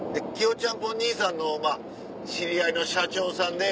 ちゃんぽん兄さんの知り合いの社長さんで。